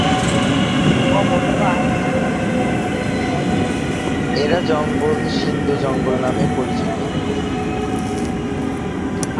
এরা জঙ্গল, সিন্ধু জঙ্গল নামেও পরিচিত।